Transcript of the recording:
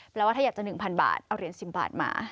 ว่าถ้าอยากจะ๑๐๐บาทเอาเหรียญ๑๐บาทมา